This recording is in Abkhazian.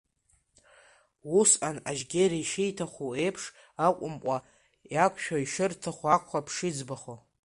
Усҟан, Ажьгьери ишиҭаху еиԥш акәымкәа, иақәшәо ишырҭаху акәхап ишыӡбахо.